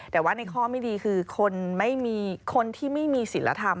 แต่ว่าในข้อไม่ดีคือคนไม่มีคนที่ไม่มีศิลธรรม